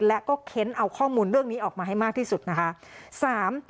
และก็เค้นเอาข้อมูลเรื่องนี้ออกมาให้มากที่สุดนะคะ